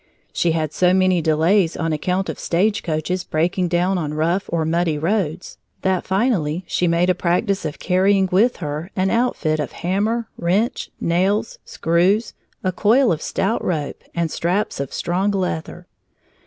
She had so many delays on account of stage coaches breaking down on rough or muddy roads that finally she made a practice of carrying with her an outfit of hammer, wrench, nails, screws, a coil of stout rope, and straps of strong leather.